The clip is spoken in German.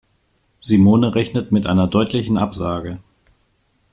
Simone rechnet mit einer deutlichen Absage.